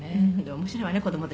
「面白いわね子供って。